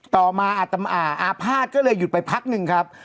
ต่อมาอาภาษณ์ก็เลยหยุดไปพักหนึ่งครับ